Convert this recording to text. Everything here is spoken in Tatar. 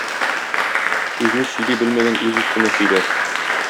Сүзне сөйли белмәгән үз өстенә сөйләр.